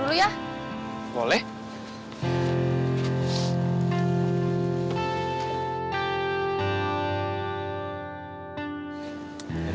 gak ada yang mau nanya